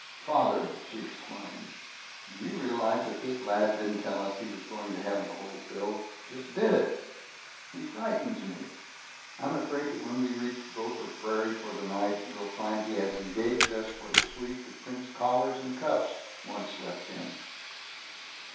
"Father," she exclaimed, "do you realize that this lad didn't tell us he was going to have the hole filled? Just did it. He frightens me. I'm afraid that when we reach Gopher Prairie for the night, we'll find he has engaged for us the suite that Prince Collars and Cuffs once slept in."